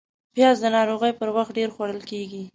پیاز د ناروغۍ پر وخت ډېر خوړل کېږي